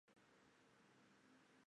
本种雌雄斑纹相似。